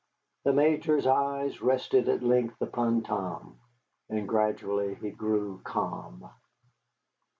The Major's eye rested at length upon Tom, and gradually he grew calm.